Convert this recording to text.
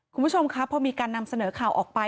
คุณผู้ชมครับพอมีการนำเสนอข่าวออกไป